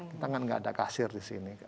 kita kan nggak ada kasir di sini